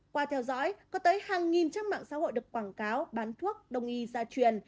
qua theo dõi có tới hàng nghìn trang mạng xã hội được quảng cáo bán thuốc đông y gia truyền